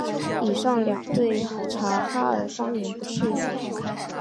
以上两条对察哈尔方言不适用。